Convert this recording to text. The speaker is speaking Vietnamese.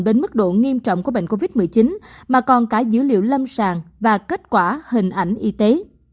đến mức độ nghiêm trọng của bệnh covid một mươi chín mà còn cả dữ liệu lâm sàng và kết quả hình ảnh y tế